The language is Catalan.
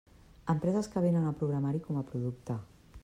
Empreses que venen el programari com a producte.